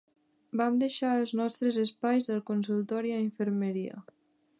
Vam deixar els nostres espais del consultori a infermeria.